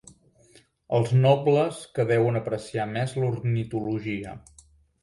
Els nobles que deuen apreciar més l'ornitologia.